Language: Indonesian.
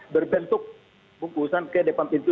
berbentuk bungkusan ke depan pintu